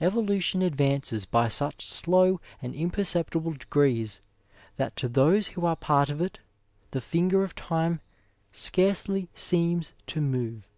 Evolution advances by such slow and imperceptible degrees that to those who are part of it the finger of time scarcely seems to move.